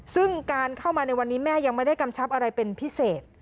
ซึ่งการเข้ามาในวันนี้แม่ยังไม่ได้กำชับอะไรเป็นพิเศษ